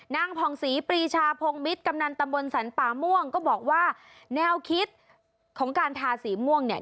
ผ่องศรีปรีชาพงมิตรกำนันตำบลสรรป่าม่วงก็บอกว่าแนวคิดของการทาสีม่วงเนี่ย